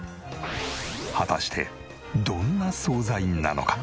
果たしてどんな惣菜なのか？